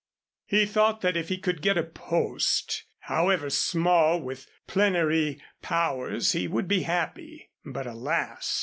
He thought that if he could get a post, however small, with plenary powers, he would be happy. But, alas!